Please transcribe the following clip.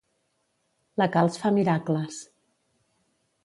La calç fa miracles.